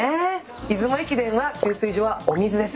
出雲駅伝は給水所はお水です。